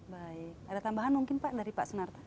baik ada tambahan mungkin pak dari pak sunarta